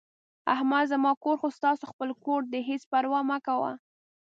احمده زما کور خو ستاسو خپل کور دی، هېڅ پروا مه کوه...